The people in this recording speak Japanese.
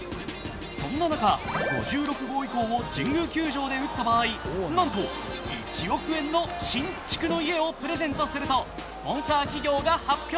そんな中、５６号以降を神宮球場で打った場合、なんと１億円の新築の家をプレゼントするとスポンサー企業が発表。